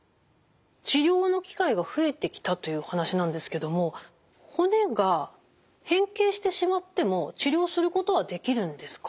治療の機会が増えてきたという話なんですけども骨が変形してしまっても治療することはできるんですか？